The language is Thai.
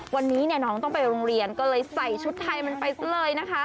วันนี้เนี่ยน้องต้องไปโรงเรียนก็เลยใส่ชุดไทยมันไปซะเลยนะคะ